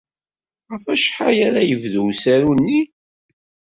Ɣef wacḥal ara d-yebdu usaru-nni?